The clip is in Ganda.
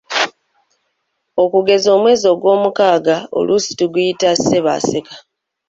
Okugeza omwezi ogwomukaaga oluusi tuguyita Ssebo-aseka.